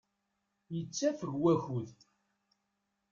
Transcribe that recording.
Yettafeg wakud.